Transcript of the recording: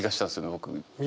僕。